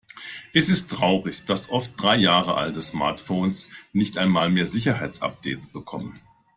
Es ist traurig, dass oft drei Jahre alte Smartphones nicht einmal mehr Sicherheitsupdates bekommen.